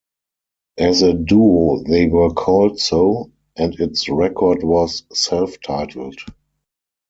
As a duo they were called So, and its record was self-titled.